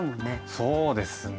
そうですね。